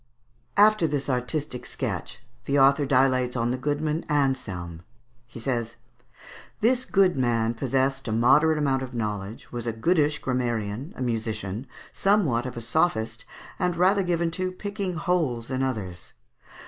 After this artistic sketch, the author dilates on the goodman Anselme. He says: "This good man possessed a moderate amount of knowledge, was a goodish grammarian, a musician, somewhat of a sophist, and rather given to picking holes in others."